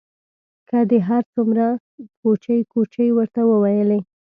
که دې هر څومره کوچې کوچې ورته وویلې.